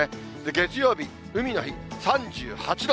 月曜日、海の日、３８度。